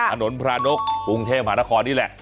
ถนนพระนกกรุงเทพหานครนี่แหละ